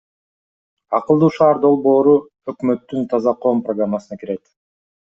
Акылдуу шаар долбоору өкмөттүн Таза коом программасына кирет.